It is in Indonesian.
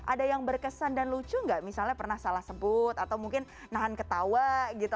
ada yang berkesan dan lucu nggak misalnya pernah salah sebut atau mungkin nahan ketawa gitu